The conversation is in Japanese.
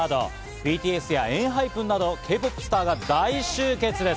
ＢＴＳやＥＮＨＹＰＥＮなど、Ｋ−ＰＯＰスターが大集結です。